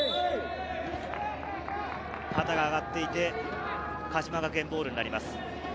旗が上がっていて、鹿島学園ボールになります。